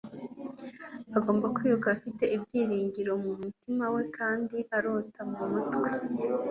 Agomba kwiruka afite ibyiringiro mu mutima we kandi arota mu mutwe.